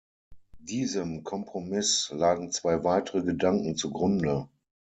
Diesem Kompromiss lagen zwei weitere Gedanken zugrunde.